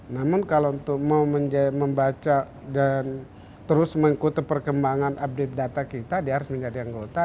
namun kalau untuk mau membaca dan terus mengikuti perkembangan update data kita dia harus menjadi anggota